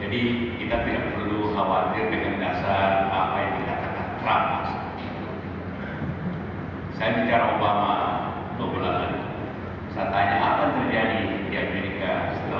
jadi kita tidak perlu mencari perusahaan negara